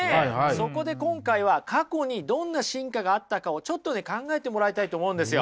そこで今回は過去にどんな進化があったかをちょっとね考えてもらいたいと思うんですよ。